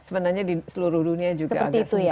sebenarnya di seluruh dunia juga agak sungkan ya